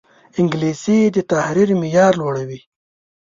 انګلیسي د تحریر معیار لوړوي